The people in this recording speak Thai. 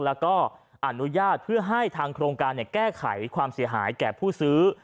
แล้วก็อนุญาตเพื่อให้ทางโครงการแก้ไขความเสียหายแก่ผู้ซื้อ